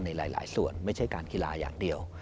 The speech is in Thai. ในหลายส่วนไม่ใช่การกีฬาอย่างเดียว